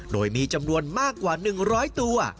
โดยมีจำนวนมากกว่า๑๐๐ตัว